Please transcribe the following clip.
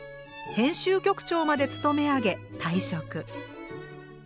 編集局長まで勤めあげ退職。